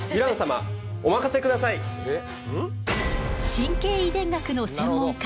神経遺伝学の専門家